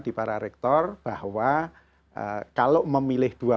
di para rektor bahwa kalau memilih dua